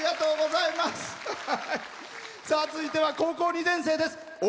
続いては、高校２年生です。